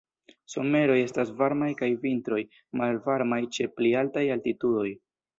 Someroj estas varmaj kaj vintroj malvarmaj ĉe pli altaj altitudoj.